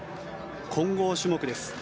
混合種目です。